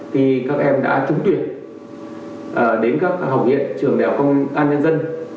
khi các em đã trúng tuyển đến các học viện trường đại học công an nhân dân